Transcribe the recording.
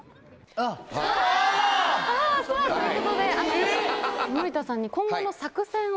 さぁということで森田さんに今後の作戦を。